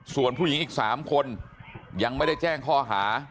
ส่วนผู้หญิงอีก๓คนยังไม่ได้แจ้งข้อหา